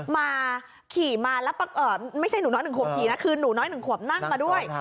มาขี่มาไม่ใช่หนูน้อยหนุ่งขวบขี่นะคือหนูน้อยหนุ่งขวบนั่งมาด้วย